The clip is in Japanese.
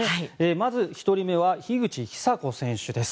まず１人目は樋口久子選手です。